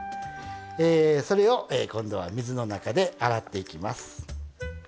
えそれを今度は水の中で洗っていきます。